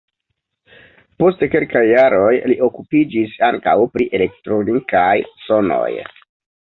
Post kelkaj jaroj li okupiĝis ankaŭ pri elektronikaj sonoj.